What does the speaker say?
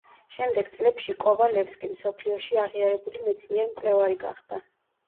შემდეგ წლებში კოვალევსკი მსოფლიოში აღიარებული მეცნიერ-მკვლევარი გახდა.